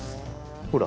ほら。